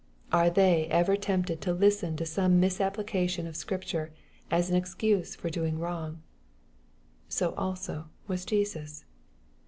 — ^Are they ever tempted to listen to some mis application of Scripture, as an excuse for doing wrong ? So also was Jesus.